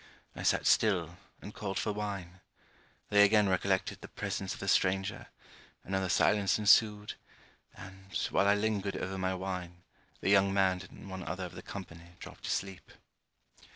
I sat still, and called for wine. They again recollected the presence of a stranger; another silence ensued; and, while I lingered over my wine, the young man and one other of the company dropped asleep.